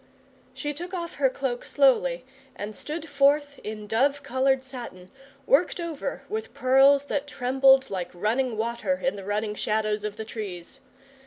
She took off her cloak slowly, and stood forth in dove coloured satin, worked over with pearls that trembled like running water in the running shadows of the trees.